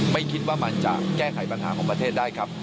ไม่คิดว่ามันจะแก้ไขปัญหาของประเทศได้ครับ